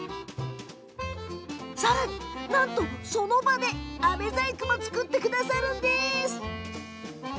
さらに、なんとその場であめ細工も作ってくださるんです。